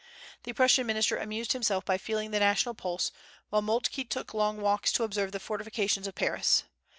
The Prussian minister amused himself by feeling the national pulse, while Moltke took long walks to observe the fortifications of Paris.